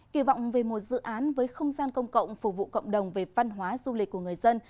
kỳ vọng về một dự án với không gian công cộng phục vụ cộng đồng về văn hóa du lịch của người dân